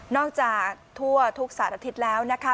จากทั่วทุกสารอาทิตย์แล้วนะคะ